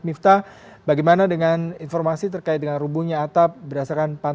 miftah bagaimana dengan informasi terkait dengan rumbunya atap berdasarkan pantauan anda sejauh ini